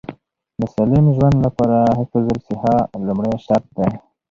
د سالم ژوند لپاره حفظ الصحه لومړی شرط دی.